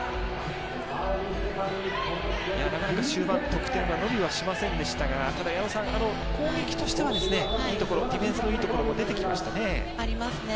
なかなか終盤、得点は伸びはしませんでしたがただ、矢野さん攻撃としてはいいところディフェンスのいいところもありますね。